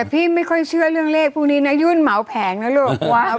พี่ไม่ค่อยเชื่อเรื่องเลขพวกนี้นะยุ่นเหมาแผงนะลูก